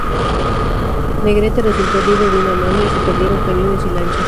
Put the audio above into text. Negrete resultó herido de una mano y se perdieron cañones y lanchas.